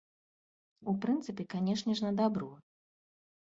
У прынцыпе, канечне ж, на дабро.